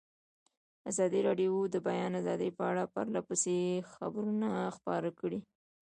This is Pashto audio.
ازادي راډیو د د بیان آزادي په اړه پرله پسې خبرونه خپاره کړي.